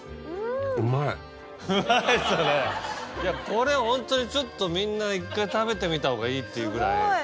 これホントにちょっとみんな１回食べてみたほうがいいっていうぐらい。